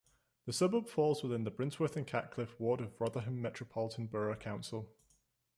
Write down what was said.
The suburb falls within the Brinsworth and Catcliffe ward of Rotherham Metropolitan Borough Council.